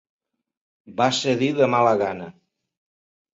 Va cedir de mala gana.